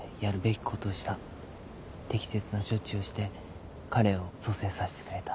適切な処置をして彼を蘇生させてくれた。